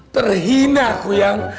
terhina aku yang